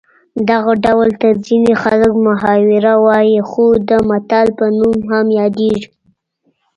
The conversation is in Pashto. دغه ډول ته ځینې خلک محاوره وايي خو د متل په نوم هم یادیږي